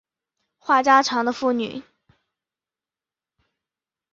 话家常的妇女